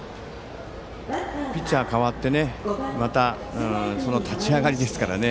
ピッチャーが代わって、またその立ち上がりですからね。